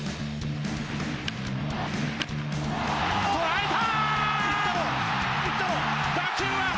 捉えた！